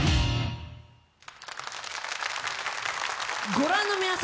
ご覧の皆様。